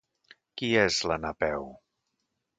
Qui és la Napeu?